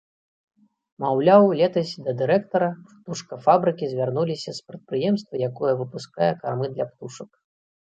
Маўляў, летась да дырэктара птушкафабрыкі звярнуліся з прадпрыемства, якое выпускае кармы для птушак.